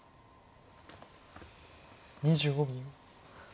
２５秒。